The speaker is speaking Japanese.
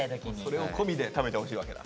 それを込みで食べてほしいわけだ。